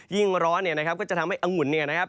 ร้อนเนี่ยนะครับก็จะทำให้อังุ่นเนี่ยนะครับ